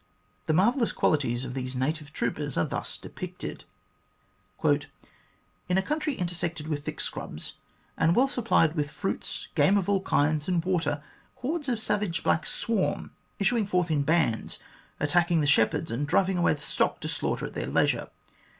The marvellous qualities of these native troopers are thus depicted :" In a country intersected with thick scrubs, and well supplied with fruits, game of all kinds, and water, hordes of savage blacks swarm, issuing forth in bands, attacking the shepherds, and driving away the stock to slaughter at their leisure.